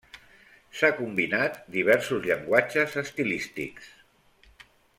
S'ha combinat diversos llenguatges estilístics.